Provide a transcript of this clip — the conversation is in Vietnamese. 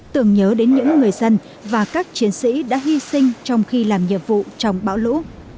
tưởng nhớ đến những người dân và các chiến sĩ đã hy sinh trong khi làm nhiệm vụ trong bão lũ